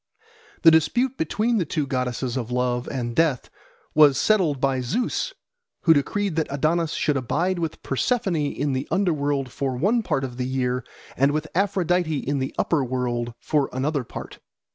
The dispute between the two goddesses of love and death was settled by Zeus, who decreed that Adonis should abide with Persephone in the under world for one part of the year, and with Aphrodite in the upper world for another part.